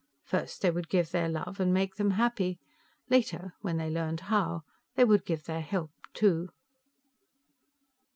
First they would give their love and make them happy. Later, when they learned how, they would give their help, too.